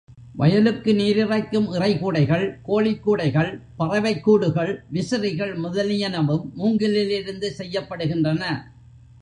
வயலுக்கு நீர் இறைக்கும் இறை கூடைகள், கோழிக் கூடைகள், பறவைக் கூடுகள், விசிறிகள் முதலியனவும் மூங்கிலிலிருந்து செய்யப்படுகின்றன.